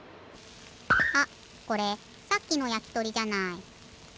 あっこれさっきのやきとりじゃない。